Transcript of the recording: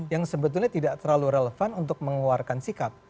yang sebetulnya tidak terlalu relevan untuk mengeluarkan sikap